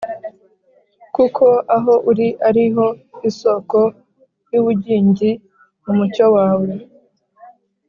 Kuko aho uri ari ho isoko y’ubugingi, mu mucyo wawe